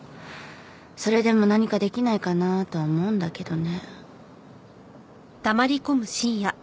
それでも何かできないかなとは思うんだけどね。